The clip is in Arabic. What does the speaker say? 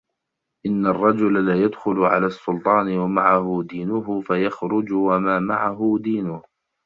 إنَّ الرَّجُلَ لَيَدْخُلُ عَلَى السُّلْطَانِ وَمَعَهُ دِينُهُ فَيَخْرُجُ وَمَا مَعَهُ دِينُهُ